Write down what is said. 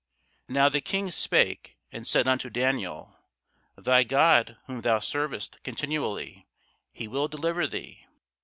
Now the King spake and said unto Daniel, Thy God whom thou servest continually, he will deliver thee.